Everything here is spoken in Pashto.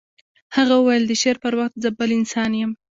هغه وویل د شعر پر وخت زه بل انسان یم